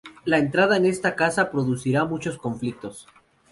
La entrada en esta casa producirá muchos conflictos.